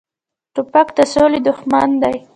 توپک د سولې دښمن دی.